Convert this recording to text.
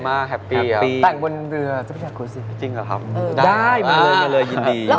เดี๋ยวพี่สนอาวไทก์เลย